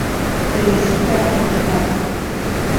Se la cita en Ap.